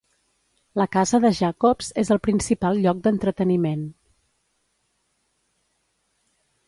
La casa de Jacobs és el principal lloc d'entreteniment.